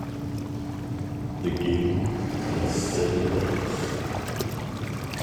The game has seven dice.